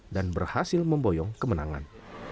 dan berhasil memboyong kemenangan